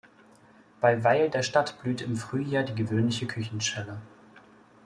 Bei Weil der Stadt blüht im Frühjahr die Gewöhnliche Küchenschelle.